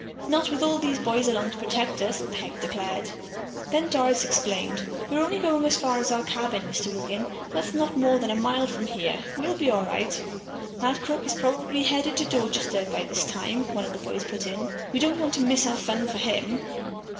"Not with all these boys along to protect us," Peg declared. Then Doris explained: "We're only going as far as our cabin. Mr. Wiggin; that's not more than a mile from here. We'll be all right." "That crook is probably headed for Dorchester by this time," one of the boys put in. "We don't want to miss our fun for him."